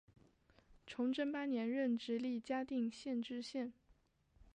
崇祯八年任直隶嘉定县知县。